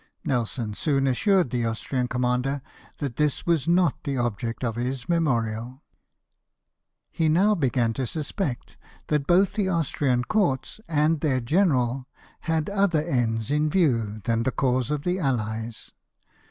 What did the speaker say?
Nelson soon assured the Austrian commander that this was not the object of his memorial. He now began to suspect that both the Austrian courts and their general had other ends in view than the cause of the Allies.